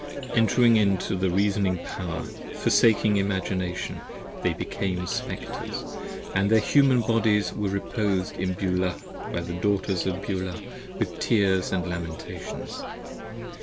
89 N Entering into the Reasoning Power, forsaking Imagination, They became Spectres: & their Human Bodies were reposed In Beulah, by the Daughters of Beulah, with tears & lamentations.